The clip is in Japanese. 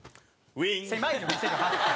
狭いよ、店が。